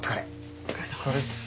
お疲れさまです。